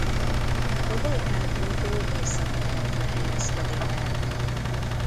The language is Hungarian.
A Bajkál-tótól északkeletre helyezkedik el.